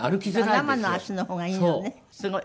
生の足の方がいいのね。